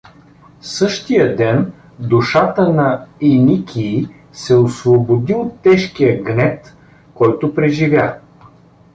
Същия ден душата на Еникий се освободи от тежкия гнет, който преживя.